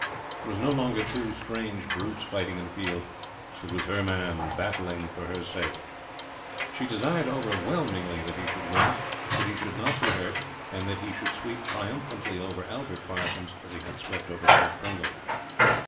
It was no longer two strange brutes fighting in a field. It was her man battling for her sake. She desired overwhelmingly that he should win, that he should not be hurt, that he should sweep triumphantly over Albert Parsons as he had swept over Ted Pringle.